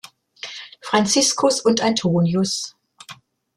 Franziskus und Antonius“.